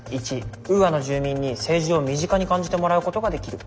１ウーアの住民に政治を身近に感じてもらうことができる。